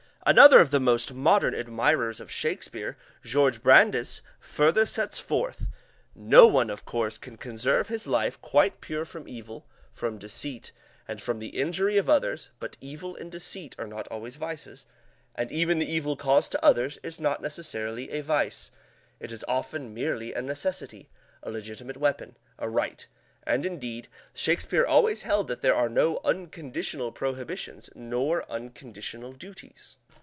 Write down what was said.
Another of the most modern admirers of Shakespeare, George Brandes, further sets forth: "No one, of course, can conserve his life quite pure from evil, from deceit, and from the injury of others, but evil and deceit are not always vices, and even the evil caused to others, is not necessarily a vice: it is often merely a necessity, a legitimate weapon, a right. And indeed, Shakespeare always held that there are no unconditional prohibitions, nor unconditional duties.